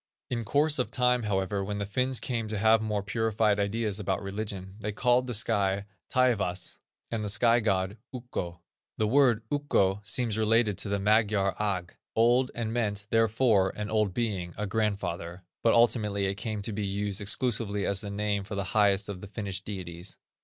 In course of time, however, when the Finns came to have more purified ideas about religion, they called the sky Taivas and the sky god Ukko. The word, Ukko, seems related to the Magyar Agg, old, and meant, therefore, an old being, a grandfather; but ultimately it came to be used exclusively as the name of the highest of the Finnish deities.